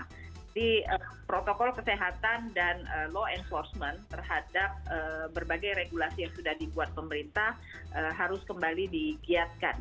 jadi protokol kesehatan dan law enforcement terhadap berbagai regulasi yang sudah dibuat pemerintah harus kembali digiatkan